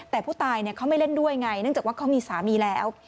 แต่ผู้ตายเขาไม่เล่นด้วยไงเนื่องจากว่าเขามีสามีแล้ว